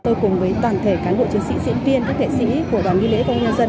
tôi cùng với toàn thể cán bộ chiến sĩ diễn viên các nghệ sĩ của đoàn nghi lễ công an nhân dân